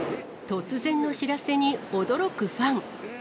突然の知らせに、驚くファン。